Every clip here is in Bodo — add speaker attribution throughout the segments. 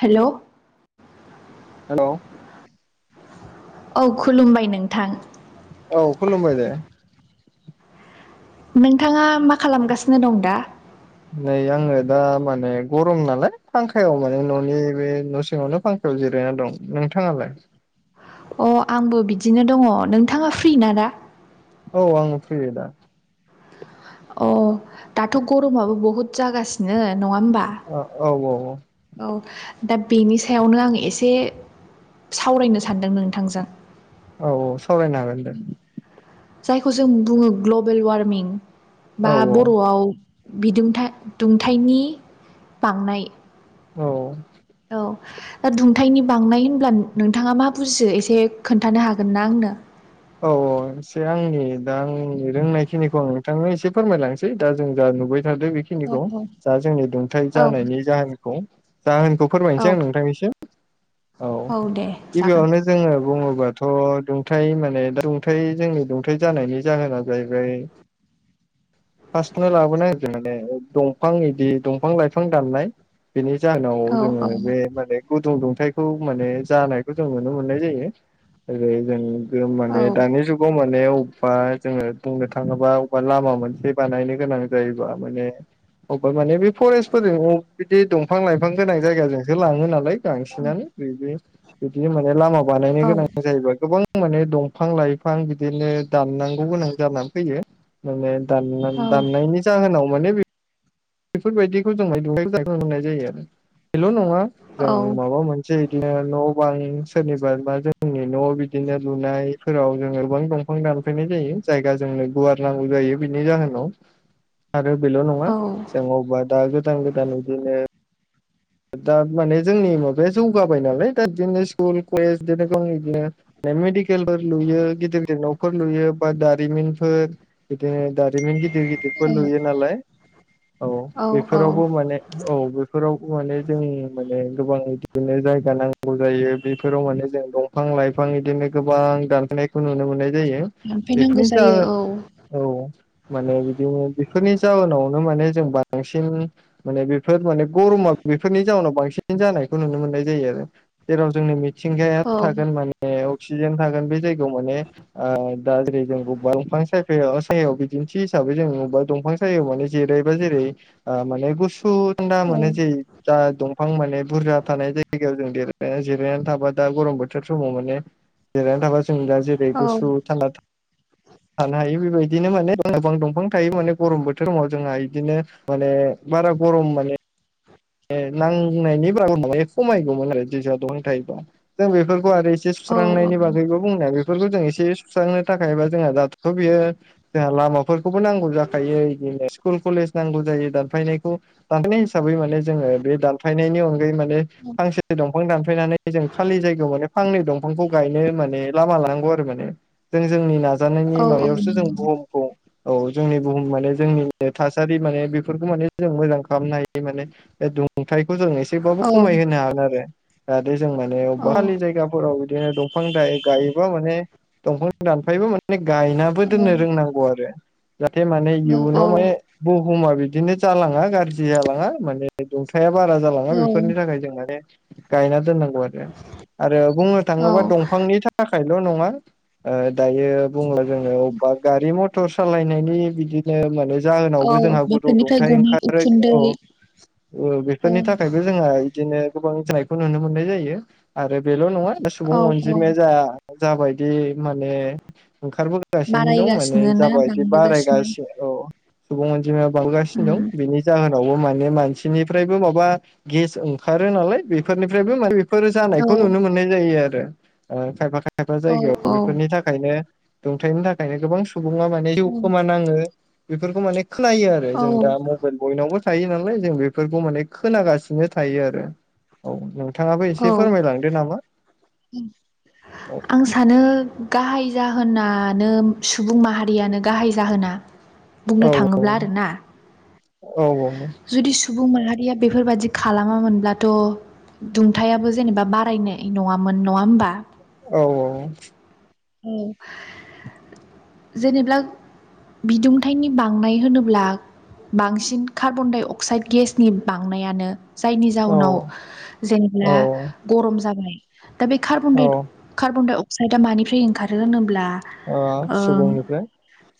Speaker 1: हेलौ
Speaker 2: हेलौ
Speaker 1: औ खुलुमबाय नोंथां
Speaker 2: औ खलुमबाय दे
Speaker 1: नोंथाङा मा खालामगासिनो दं दा
Speaker 2: नै आङो दा माने गरम नालाय फांखायाव माने न'नि बे न' सिङावनो फांखायाव जेर जिरना दं नोंथाङालाय
Speaker 1: अ आंबो बिदिनो दङ नोंथाङा फ्रि ना दा
Speaker 2: औ आङो फ्रि दा
Speaker 1: अ दाथ' गरमाबो बहुत जागासिनो नङा होमबा
Speaker 2: औ औ औ
Speaker 1: औ दा बेनि सायावनो आं एसे सावरायनो सानदों नोंथांजों
Speaker 2: औ औ सावरायनो हागोन दे
Speaker 1: जायखौ जों बुङो ग्लबेल वार्मिं
Speaker 2: औ
Speaker 1: बा
Speaker 2: औ
Speaker 1: बर'आव बिदुं दुंथायनि बांनाय
Speaker 2: औ
Speaker 1: औ दा दुंथायनि बांनाय होनब्ला नोंथाङा मा बुजियो एसे खोन्थानो हागोन ना आंनो
Speaker 2: औ औ एसे आंनि दा आंनि रोंनायखिनिखौ आं नोंथांनो एसे फोरमायलांसै दा जों जा नुबाय
Speaker 1: औ
Speaker 2: बेखिनिखौ जा जोंनि दुंथायाइ
Speaker 1: औ
Speaker 2: जानायनि जाहोनखौ जाहोनखौ
Speaker 1: औ
Speaker 2: फोरमायनोसै आं नोंथांनिसिम औ
Speaker 1: दे जागोन
Speaker 2: गिबियावनो जोङो बुङोबाथ' दुंथाय माने दा दुंथाय जोंनि दुंथाइ जानायनि जाहोना जाहैबाय फासखौनो लाबोनांगोन माने दंफां बिदि दंफां लाइफां दाननाय बेनि जाहोनाव
Speaker 1: औ
Speaker 2: जोङो बे माने गुदुं दुंथाय दुंथायखौ माने जानायखौ जों नुनो मोननाय जायो जेरै जों
Speaker 1: औ
Speaker 2: माने दानि माने अबेबा जोङो बुंनो थाङोबा अबेबा लामा मोनसे बानायनो गोनां जायोबा माने अबेबा माने बे फरेस्टफोरजों बिदि दं फां लाइफां गोनां जायगाजोंसो लाङो नालाय बांसिनानो बिदि बिदि माने लामा बानायनो
Speaker 1: औ
Speaker 2: गोनां जायोबा गोबां माने दंफां लाइफां बिदिनो दाननांगौ गोनां जानानै फैयो माने दान
Speaker 1: औ
Speaker 2: दाननायनि जाहोनाव माने बेफोरबायदिखौ जों [unintelligible] जायो हेल' नङा
Speaker 1: औ
Speaker 2: जों माबा मोनसे बिदिनो न' बां सोरनिबा मा जोंनि न' बिदिनो लुनायफोराव जों गोबां दंफां दानफायनाय जायो जायगा जों जोंनो गुवार नांगौ जायो बिनि जाहोनाव आरो बेल' नङा
Speaker 1: औ
Speaker 2: बा दा गोदान गोदान बिदिनो दा माने जोंनि माबाया जौगाबाय नालाय दा बिदिनो स्कुल कलेज बिदिनो गाव बिदिनो मेडिकेलफोर लुयो गिदिर गिदिर न'फोर लुयो बा दारिमिनफोर बिदिनो दारिमिन गिदिर गिदिरफोर लुयो नालाय औ
Speaker 1: औ
Speaker 2: बेफोरावबो माने औ बेफोरावबो माने जों माने गोबां बिदिनो जायगा नांगौ जायो बेफोराव माने जों दंफां लाइफां बिदिनो गोबां दानखोनायखौ नुनो मोनो नाय जायो
Speaker 1: लांफैनांगौ
Speaker 2: बेफोरनि जा
Speaker 1: जायो औ
Speaker 2: औ माने बिदिनो बेफोरनि जाहोनाव माने बांसिन गरमा बेफोरनि जाउनाव बांसिन जानायखौ नुनो मोननाय जायो आरो जेराव जोंनो मिथिंगाया
Speaker 1: औ
Speaker 2: थागोन माने अक्सिजेन थागोन बे जायगायाव माने दा जेरै जोंब दफां साइ सायाव बिदिन्थि हिसाबै जों अबावबा दंफां सायायाव माने जेरायबा जेरै माने गुसु थदा
Speaker 1: औ
Speaker 2: मोन ज [unintelligible] दंफां माने बुरजा थानाय जायगायाव जों जेरायना जिरायनानै थाबा दा गरम बोथोर समाव माने जिरायनानै थाबा जों दा जेरै
Speaker 1: औ
Speaker 2: गुसु थांना थानो हायो बेबायदि बिदिनो माने गोबां दंफां थायो माने गरम बोथोरावाव जोंहा बिदिनो माने बारा गरम माने ए नांनायनि बारा माबाया खमायगौमोन आरो थायोबा जों बेफोरखौ आरोसे
Speaker 1: औ
Speaker 2: सुस्रांनायनि बागैबो बुंनाया बेफोरखौ जों इसे सुस्रांनो थाखायबा जोंहा दाथ' बियो जोंहा लामाफोरखौबो नांगौ जाखायो बिदिनो स्कुल कलेज नांगौ जायो दानफायनायखौ दानफायनाय हिसाबै माने जोङो बे दानफायनायनि अनगायै माने फांसे दंफां दानफायनानै जों खालि जायगायाव माने फांनै दंफांखौ गायनो माने लामा लानांगौ आरो माने जों जोंनि नाजानाय नायनि
Speaker 1: औ
Speaker 2: माबायावसो जों बुहुमखौ जोंनि बुहुम जोंनि थासारि माने बेफोरखौ माने जों मोजां खालामनो हायो माने थायखौ जों एसेबाबो खमाय होनो हागोन आरो ओ जों माने
Speaker 1: औ
Speaker 2: खालि जायगाफोराव बिदिनो दंफां गायोबा माने दंफां दान ओमफ्रायबो माने गायनाबो दोननो रोंनांगौ आरो। जाहाथे माने
Speaker 1: नंगौ
Speaker 2: इयुनाव
Speaker 1: औ
Speaker 2: माने
Speaker 1: औ
Speaker 2: बुहुमा बिदिनो जालाङा गाज्रि जालाङा माने दुंथाया बारा जालाङा बेफोरनि
Speaker 1: औ
Speaker 2: थाखाय जों माने गायनानै बुंनो
Speaker 1: औ
Speaker 2: थांङोबा दंफांनि थाखायल' नङा ओ दायो बुंला जोङो अबेबा गारि मथर सालायनायनि बिदिनो माने
Speaker 1: औ
Speaker 2: जाहोनावबो जोंहा गुदुं
Speaker 1: बेफोरनिफ्राय
Speaker 2: दुंथाय
Speaker 1: गनाय
Speaker 2: ओंखारो
Speaker 1: उखुन्दै
Speaker 2: औ
Speaker 1: औ
Speaker 2: बेफोरनि थाखायबो जोंहा बिदिनो गोबां जानायखौ नुनो मोननाय जायो आरो बे ल' नङा सुबुं
Speaker 1: औ औ
Speaker 2: अनजिमाया जाबायदि माने ओंखारबोगासिनो दं माने
Speaker 1: बारायगासिनो ना
Speaker 2: जाबाय बिदि
Speaker 1: बांबोगासिनो
Speaker 2: बारायगासिनो औ सुबुं अनजिमाया बांगासिनो
Speaker 1: उम
Speaker 2: दं बेनि जाहोनावबो माने मानसिनिफ्रायबो माबा गेस ओंखारो नालाय बेफोरनिफ्रायबो माने बेफोर
Speaker 1: औ
Speaker 2: जानायखौ नुनो मोननाय जायो आरो खायफा खायफा खायफा
Speaker 1: औ
Speaker 2: जायगायाव
Speaker 1: औ
Speaker 2: बेफोरनि थाखायनो दुंथाइनि थाखाय नो गोबां सुबुङा माने जिउ खोमा नाङो बेफोरखौ माने खोनायो आरो
Speaker 1: औ
Speaker 2: जों दा मबाइल बयनावबो थायो नालाय जों बे बेफोरखौ माने खोनागासिनो थायो आरो औ नोंथाङाबो एसे
Speaker 1: औ
Speaker 2: फोरमायलांदो नामा औ
Speaker 1: आं सानो गाहाय जा होनानो सुबुं माहारियानो गाहाय जाहोना।
Speaker 2: औ
Speaker 1: बुंनो थाङोब्ला आरोना।
Speaker 2: औ औ
Speaker 1: जुदि सुबुं माहारिया बेफोरबादि खालामामोनब्लाथ' दुंथायाबो जेनेबा बारायनाय नङामोन नङा होमबा?
Speaker 2: औ औ
Speaker 1: औ जेनेब्ला बिदुंथाइनि बांनाय होनोब्ला बांसिन कार्बन डाइ अक्साइड गेसनि बांनायानो जायनि जाउनाव
Speaker 2: औ
Speaker 1: जेनेब्ला गरम जाबाय दा बे कार्बन
Speaker 2: औ
Speaker 1: डाइ कार्बन डाइ अक्साइदआ मानिफ्राय ओंखारो होनोब्ला
Speaker 2: अ सुबुंनिफ्राय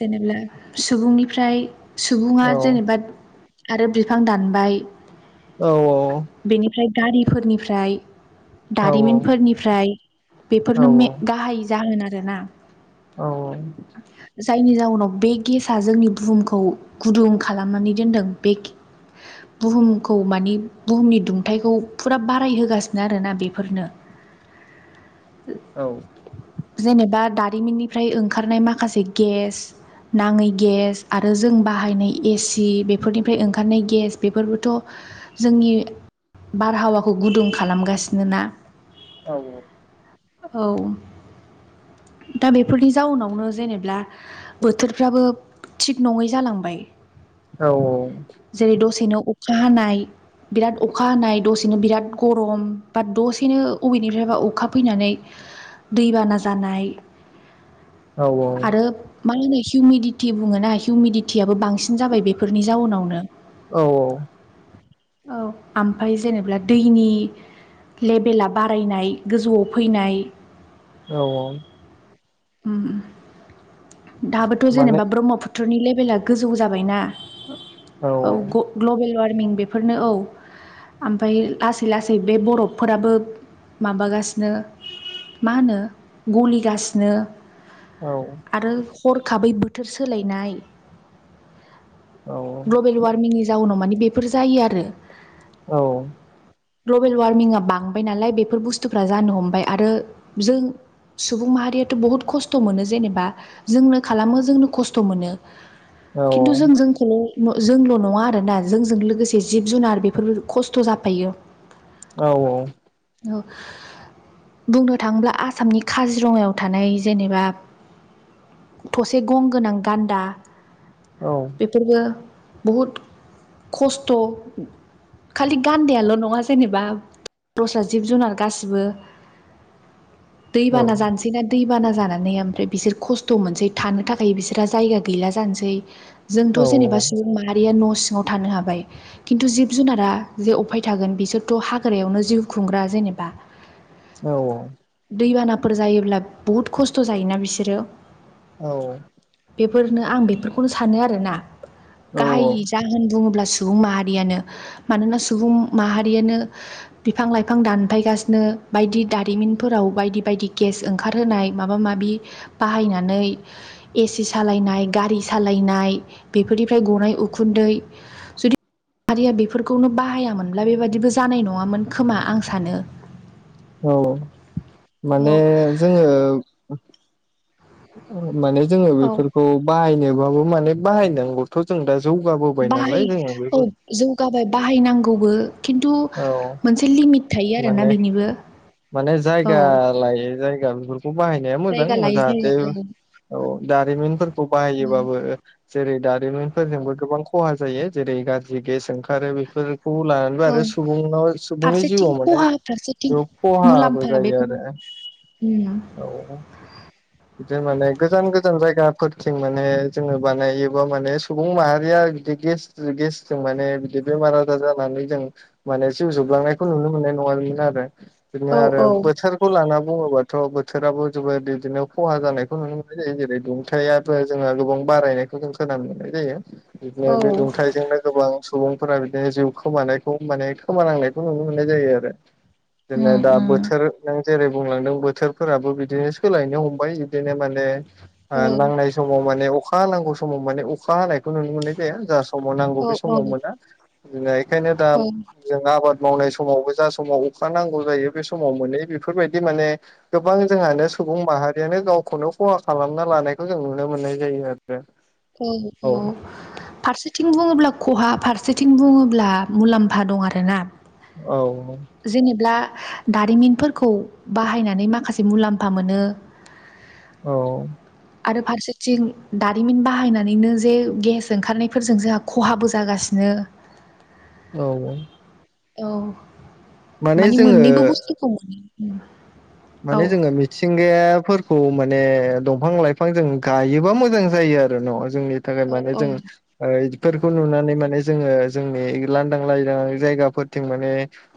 Speaker 1: जेनेबा सुबुंनिफ्राय सुबुङा
Speaker 2: औ
Speaker 1: जेनेबा आरो बिफां दानबाय
Speaker 2: औ औ
Speaker 1: ओमफ्राय गारिफोरनिफ्राय
Speaker 2: औ
Speaker 1: दारिमिनफोरनिफ्राय
Speaker 2: औ
Speaker 1: बेफोरनो मे-गाहाय जागोन आरोना
Speaker 2: औ
Speaker 1: जायनि जाउनाव बे गेसआ जोंनि बुहुमखौ गुदुं खालामनानै दोनदों बे बुहुमखौ मानि बुहुमनि दुंथाइखौ फुरा बारायहोगासिनो आरोना बेफोरनो। [unintelligible]
Speaker 2: औ
Speaker 1: जेनेबा दारिमिननिफ्राय ओंखारनाय माखासे गेस नाङै गेस आरो जों बाहायनाय एसि बेफोरनिफ्राय ओंखारनाय गेस बेफोरबोथ' जोंनि बारहावाखौ गुदुं खालामगासिनो ना
Speaker 2: औ औ
Speaker 1: औ दा बेफोरनि जाउनावनो जेनेबा बोथोरफ्राबो थिग नङै जालांबाय
Speaker 2: औ
Speaker 1: [unintelligible] नाय बिराद अखा हानाय दसेनो बिराद गरम बा दसेनो बबेनिफ्रायबा अखा फैनानै दैबाना जानाय
Speaker 2: औ - औ
Speaker 1: आरो मा होनो हिउमिदिटि बुङो ना हिउमिदिटियाबो बांसिन जाबाय बेफोरनि जाउनावनो
Speaker 2: औ औ
Speaker 1: औ आमफ्राय जेनेबा दैनि लेभेला बारायनाय गोजौआव फैनाय
Speaker 2: औ औ
Speaker 1: उम दाबोथ'
Speaker 2: माने
Speaker 1: जेनेबा ब्रह्मपुत त्रनि लेभेला गोजौ जाबायना औ ग- ग्ल'बेल वार्म फार्मिं बेफोरनो औ ओमफ्राय लासै लासै बे बरफफोराबो माबागासिनो मा होनो गलिगासिनो नो
Speaker 2: औ
Speaker 1: आरो हरखाबै बोथोर सोलायनाय
Speaker 2: औ
Speaker 1: ग्लबेल वार्मिंनि जाउनाव मानि बेफोर जायो आरो।
Speaker 2: औ
Speaker 1: ग्लबेल वार्मिंआ बांबाय नालाय बेफोर बुस्थुफ्रा जानो हमबाय आरो जों सुबुं माहारियाथ' बहुद खस्थ' मोनो जेनेबा जोंनो खालामो जोंनो खस्थ' मोनो। खिन्थु जों जोंखौनो जोंल' नङा आरोना जोंजों लोगोसे जिब जुनार बेफोरबो खस्थ' जाफायो।
Speaker 2: औ औ
Speaker 1: औ बुंनो थाङोब्ला आसामनि काजिरङायाव थानाय जेनेबा थसे गं गोनां गान्दा बेफोरबो बहुद खस्थ' खालि गान्दायाल' नङा जेनेबा दस्रा जिब जुनार गासिबो दैबाना जानसै बिसोरना दैबाना जानानै ओमफ्राय बिसोर खस्थ' मोनसै थानो थाखाय बिसोरहा जायगा गैला जानोसै जोंथ'
Speaker 2: औ
Speaker 1: जेनेबा सुबुं माहारिया न' सिङाव थानो हाबाय खिन्थु जिब जुनारा जे अफाय थागोन बिसोरथ' हाग्रायावनो जिउ खुंग्रा जे जेनेबा
Speaker 2: औ औ
Speaker 1: दैबानाफोर जायोब्ला बहुद खस्थ' जायोना बिसोरो
Speaker 2: औ
Speaker 1: बेफोरनो आं बेफोरखौनो सानो आरोना
Speaker 2: औ
Speaker 1: गाहाय जाहोन बुङोब्ला सुबुं माहारियानो मानोना सुबुं माहारियानो बिफां लाइफां दानफायगासिनो बायदि दारिमिनफोराव बायदि बायदि गेस ओंखार होनाय माबा माबि बाहायनानै एसि सालायनाय गारि सालायनाय नाय बेफोरनिफ्राय गनाय उखुन्दै जुदि माहारिया बेफोरखौनो बाहायामोनब्ला बेबादिबो जानाय नङामोन खोमा आं सानो
Speaker 2: औ
Speaker 1: औ
Speaker 2: माने जोङो माने जोङो
Speaker 1: औ
Speaker 2: बेफोरखौ बाहायनोबाबो माने बाहायनांगौथ' जों दा जौगाबोबाय
Speaker 1: बाहाय
Speaker 2: नालाय जोङो
Speaker 1: औ
Speaker 2: बेफोर
Speaker 1: जौगाबाय बाहायनांगौबो खिन्थु
Speaker 2: औ
Speaker 1: मोनसे लिमिट थायो आरोना
Speaker 2: माने
Speaker 1: बेनिबो
Speaker 2: माने
Speaker 1: औ
Speaker 2: जायगा लायो जायगा बे बेखौ बाहायनाया मोजां
Speaker 1: जायगा लायै
Speaker 2: जाहाथे
Speaker 1: जायगा औ
Speaker 2: औ दारिमिनफोरखौ
Speaker 1: उम
Speaker 2: बाहायोबाबो जेरै दारिमिनफोरजोंबो गोबां खहा जायो जेरै गाज्रि गेस ओंखारो बेफोरखौ लानानैबो आरो सुबुंनाव सुबुंनि
Speaker 1: थिं
Speaker 2: जिउआव माने
Speaker 1: खहा फारसेथिं
Speaker 2: खहाबो
Speaker 1: मुलाम्फा
Speaker 2: जायो
Speaker 1: बेफोर
Speaker 2: आरो
Speaker 1: उम
Speaker 2: औ बिदि माने गोजान गोजान जायगा फोरथिं माने जोङो बानायोबा माने सुबुं माहारिया बिदि गेस गेसजों माने बिदि बेमार आजार जानानै जों माने जिउ जोबलांनाय खौ नुनो मोननाय नङामोन आरो बिदिनो
Speaker 1: औ
Speaker 2: आरो
Speaker 1: औ
Speaker 2: बोथोरखौ लाना बुङोबा थ' बोथोराबो जोबोद बिदिनो खहा जानायखौ नुनो मोननाय जायो जेरै दुंथायाबो जोङो गोबां बारायनाय खौ जों खोनानो मोननाय जायो। बिदिनो
Speaker 1: औ
Speaker 2: बे दुंथाइजोंनो गोबां सुबुंफोरा बिदिनो जिउ खोमानायखौ माने खोमानांनाय बे नुनो मोननाय जायो आरो बिदिनो
Speaker 1: उम
Speaker 2: दा
Speaker 1: उम
Speaker 2: बोथोर जेरै बुंलांदों बोथोरफोराबो बिदिनो सोलायनो हमबाय बिदिनो माने
Speaker 1: औ
Speaker 2: नांनाय समाव माने अखा नांगौ समाव माने अखा हानायखौ नुनो मोननाय जाया ज समाव नांगौ
Speaker 1: औ
Speaker 2: बे
Speaker 1: औ
Speaker 2: समाव मोना जोंहा बेखायनो दा
Speaker 1: औ
Speaker 2: जों आबाद मावनाय समावबो जा समाव अखा नांगौ जायो बे समाव मोनै बेफोरबायदि माने गोबां जोंहानो सुबुं माह माहारियानो गावखौनो खहा खालामना लानायखौ जों नुनो मोननाय जायो आरो
Speaker 1: औ औ फारसेथिं बुङोब्ला खहा फारसे फारसेथिं बुङोब्ला मुलाम्फा दं आरोना
Speaker 2: औ
Speaker 1: जेनेब्ला दारिमिनफोरखौ बाहायनानै माखासे मुलाम्फा मोनो
Speaker 2: औ
Speaker 1: आरो फारसेथिं दारिमिन बाहाय बाहायनानैनो जे गेस ओंखारनायफोरजों जोंहा खहाबो जागासिनो
Speaker 2: औ औ
Speaker 1: औ माने मोननैबो बुस्थुखौ मोनो औ
Speaker 2: माने जोङो मिथिंगायाफोर खौ माने दंफां लाइफां जों गायोबा मोजां जायो आरो न' जोंनि थाखाय माने
Speaker 1: औ
Speaker 2: जों
Speaker 1: औ
Speaker 2: बेफोरखौ नुनानै माने जोङो जोंनि लांदां लायदां जायगाफोरथिं माने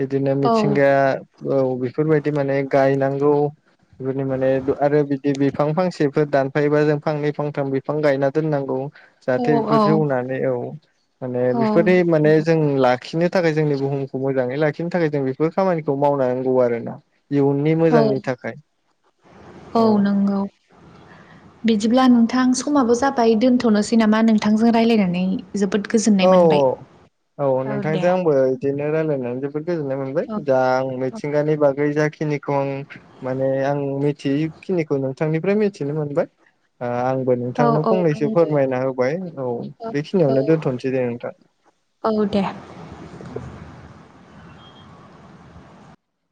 Speaker 2: बिदिनो
Speaker 1: औ
Speaker 2: मिथिंगाया औ बेफोरबायदि माने हौ बेफोरनि माने आरो बिदि बिफां फांसेफोर दानफायोबा जों फांनै फांथाम बिफां गायना दोननांगौ
Speaker 1: औ
Speaker 2: जाहाथे बेफोर
Speaker 1: औ
Speaker 2: जौनानै औ माने
Speaker 1: औ
Speaker 2: बेफोरनि माने जों ला लाखिनो थाखाय जोंनि बुहुमखौ मोजाङै लाखिनो थाखाय जों बेफोर खामानिखौ मावनांगौ आरो ना इयुननि
Speaker 1: औ
Speaker 2: मोजांनि थाखाय औ
Speaker 1: बिदिब्ला नोंथां समाबो जाबाय दोनथ'नोसै नामा नोंथांजों रायज्लायनानै जोबोद गोजोननाय
Speaker 2: औ
Speaker 1: मोनबाय
Speaker 2: औ नोंथांजों आंबो बिदिनो रायजलायनानै जोबोद गोजोननाय मोनबाय
Speaker 1: औ
Speaker 2: द आं
Speaker 1: औ
Speaker 2: मिथिंगानि बागै जाखिनिखौ आं माने आं मिथियैखिनिखौ नोंथांनिफ्राय मिथिनो मोनबाय आंबो नोंथांनो
Speaker 1: औ औ
Speaker 2: फंनैसो
Speaker 1: आंबो
Speaker 2: फोरमायना होबाय औ बेखिनियावनो दोन्थ'सै दे नोंथां
Speaker 1: औ दे